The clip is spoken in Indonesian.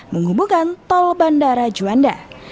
menghubungkan tol bandara juanda